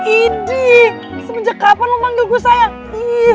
idiih semenjak kapan lo panggil gue sayang ih